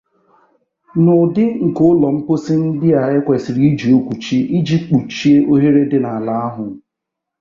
N’ụdị nke ụlọ mposi ndị a ekwesịrị iji okwuchi iji kpuchie oghere dị n’ala ahụ.